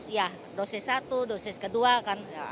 ya dosis satu dosis kedua kan